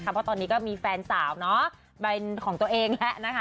เพราะตอนนี้ก็มีแฟนสาวเป็นของตัวเองแล้วนะคะ